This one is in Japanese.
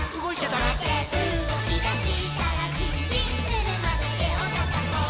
「とまってうごきだしたらヂンヂンするまでてをたたこう」